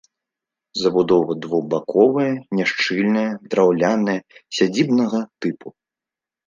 Забудова двухбаковая, няшчыльная, драўляная, сядзібнага тыпу.